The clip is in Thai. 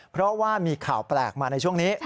เพราะว่ามีข่าวแปลกมาในช่วงนี้